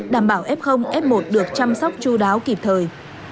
đảm bảo f f một được chăm sóc chú đáo kịp thời